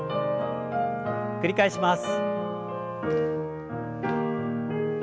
繰り返します。